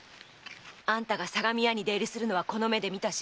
あんたが相模屋に出入りするのはこの目で見たしおかよ